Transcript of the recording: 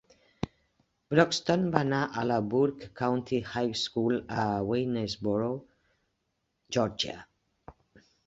Broxton va anar a la Burke County High School a Waynesboro, Georgia.